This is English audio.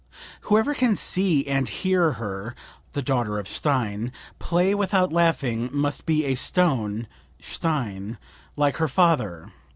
"Whoever can see and hear her (the daughter of Stein) play without laughing must be a stone (Stein) like her father.